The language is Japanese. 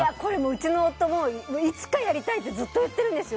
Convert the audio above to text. うちの夫もいつかやりたいってずっと言ってるんです。